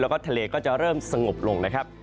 แล้วก็ทะเลก็จะเริ่มสงบลงนะครับ